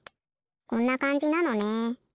こんなかんじなのね。